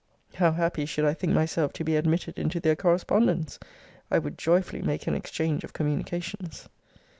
How happy should I think myself to be admitted into their correspondence? I would joyfully make an exchange of communications.